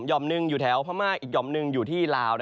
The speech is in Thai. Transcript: ่อมหนึ่งอยู่แถวพม่าอีกห่อมหนึ่งอยู่ที่ลาว